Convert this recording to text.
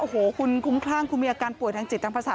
โอ้โหคุณคุ้มครั้งคุณมีอาการป่วยทางจิตตามภาษา